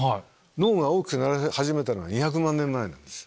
脳が大きくなり始めたのは２００万年前なんです。